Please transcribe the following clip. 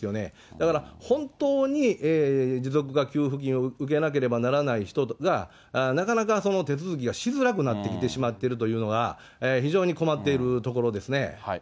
だから本当に持続化給付金を受けなければならない人が、なかなか手続きがしづらくなってきてしまってるというのが、非常に困っているところですね。